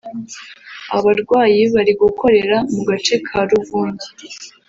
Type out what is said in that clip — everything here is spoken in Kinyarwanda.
Aba barwanyi bari gukorera mu gace ka Luvungi